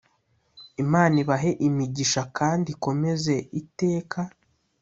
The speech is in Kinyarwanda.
imana ibahe imigisha kandi ikomeze iteka